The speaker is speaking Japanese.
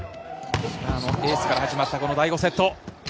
石川のエースから始まったこの第５セット。